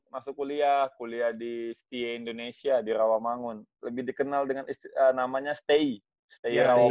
masuk kuliah kuliah di skie indonesia di rawamangun lebih dikenal dengan namanya stay